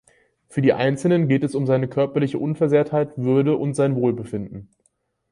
Für den Einzelnen geht es um seine körperliche Unversehrtheit, Würde und sein Wohlbefinden.